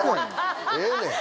ええねん。